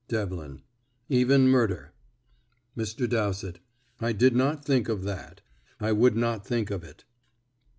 Devlin: "Even murder." Mr. Dowsett: "I did not think of that I would not think of it."